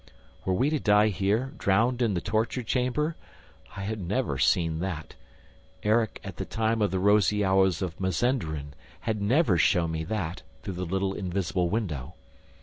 Were we to die here, drowned in the torture chamber? I had never seen that. Erik, at the time of the rosy hours of Mazenderan, had never shown me that, through the little invisible window.